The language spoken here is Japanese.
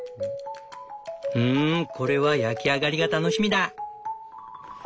うんこれは焼き上がりが楽しみだ！